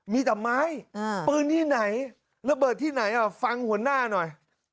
มีแต่ไม้ปืนที่ไหนระเบิดที่ไหนฟังหัวหน้าหน่อย